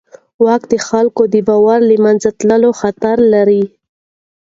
واک د خلکو د باور د له منځه تلو خطر لري.